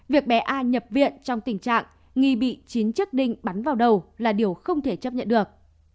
việc bé a nhập viện trong tình trạng nghi bị chín chất đinh bắn vào đầu là điều không thể chấp nhận được